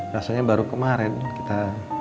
rasanya baru kemaren kita